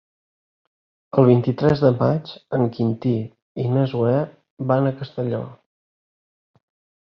El vint-i-tres de maig en Quintí i na Zoè van a Castelló.